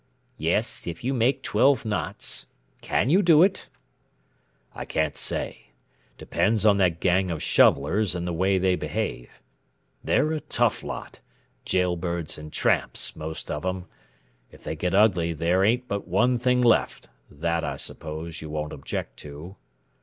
"Yes, if you make twelve knots: can you do it?" "I can't say; depends on that gang of shovellers and the way they behave. They're a tough lot jail birds and tramps, most of 'em. If they get ugly there ain't but one thing left; that, I suppose, you won't object to."